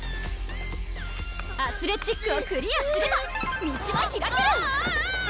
アスレチックをクリアすれば道は開ける！